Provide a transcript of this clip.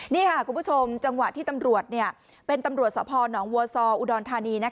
นี่ค่ะคุณผู้ชมจังหวะที่ตำรวจเป็นตำรวจสพนวัวซออุดรธานี